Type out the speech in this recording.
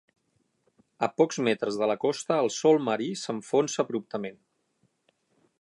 A pocs metres de la costa el sòl marí s'enfonsa abruptament.